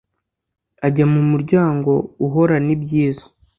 ijya mu muryango uhorana ibyiza